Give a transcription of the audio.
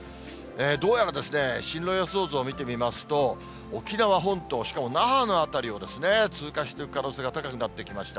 どうやら進路予想図を見てみますと、沖縄本島、しかも那覇の辺りを通過していく可能性が高くなってきました。